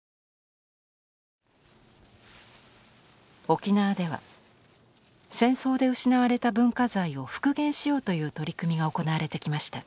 沖縄では戦争で失われた文化財を復元しようという取り組みが行われてきました。